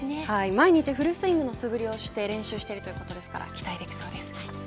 毎日フルスイングの素振りをして練習してるということですから期待できそうです。